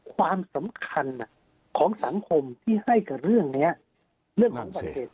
ความสำคัญอ่ะของสังคมที่ให้กับเรื่องเนี้ยเรื่องของสังเกต